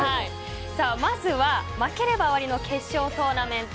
まずは負ければ終わりの決勝トーナメント